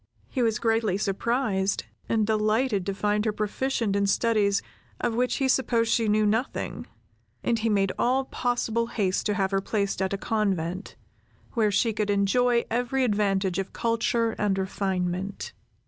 He was greatly surprised, and delighted to find her proficient in studies of which he supposed she knew nothing, and he made all possible haste to have her placed at a convent, where she could enjoy every advantage of culture and refinement.